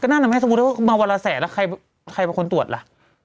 นั่นนะแม่สมมุติว่ามาวันละแสนแล้วใครเป็นคนตรวจล่ะ